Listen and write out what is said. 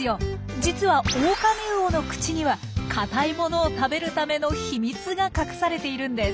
実はオオカミウオの口には硬いものを食べるための秘密が隠されているんです。